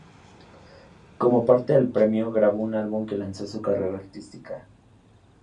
Como parte del premio, grabó un álbum que lanzó su carrera artística.